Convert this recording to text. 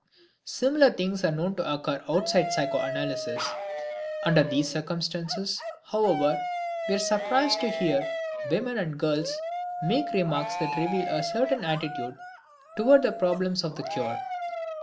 Similar things are known to occur outside of psychoanalysis. Under these circumstances, however, we are surprised to hear women and girls make remarks that reveal a certain attitude toward the problems of the cure.